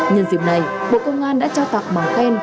nhân dịp này bộ công an đã trao tặng bằng khen